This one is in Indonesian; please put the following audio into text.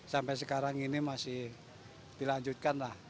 sampai sekarang ini masih dilanjutkan lah